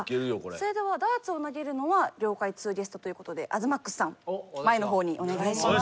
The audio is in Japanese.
それではダーツを投げるのは業界通ゲストという事で前の方にお願いします。